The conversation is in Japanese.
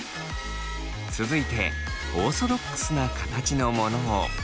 続いてオーソドックスな形のものを。